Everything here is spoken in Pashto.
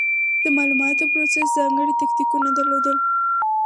د مالوماتو پروسس ځانګړې تکتیکونه درلودل.